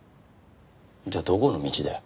じゃあどこの道だよ？